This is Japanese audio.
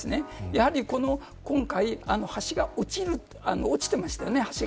やはり今回橋が落ちてましたよね。